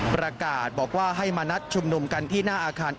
ประกาศบอกว่าให้มานัดชุมนุมกันที่หน้าอาคาร